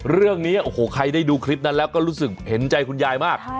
เรื่องนี้โอ้โหใครได้ดูคลิปนั้นแล้วก็รู้สึกเห็นใจคุณยายมาก